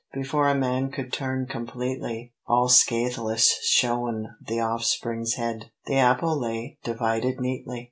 Before a man could turn completely, All scatheless shone the offspring's head, The apple lay divided neatly!